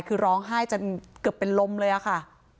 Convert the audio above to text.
คือร้องไห้จนเกือบเป็นลมเลยอะค่ะ